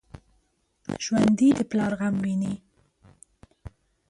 ژوندي د پلار غم ویني